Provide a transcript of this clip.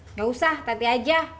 nggak usah tati aja